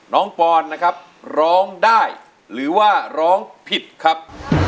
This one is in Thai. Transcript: ปอนนะครับร้องได้หรือว่าร้องผิดครับ